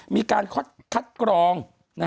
มีการคัดกรอง